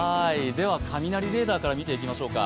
雷レーダーから見ていきましょうか。